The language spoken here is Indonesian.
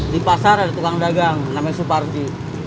di pasar ada tukang dagang namanya suparti